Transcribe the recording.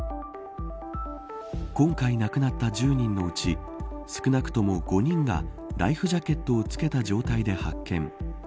今回亡くなった１０人のうち少なくとも５人がライフジャケットを着けた状態で発見。